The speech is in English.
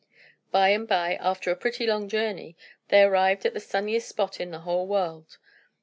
By and by, after a pretty long journey, they arrived at the sunniest spot in the whole world.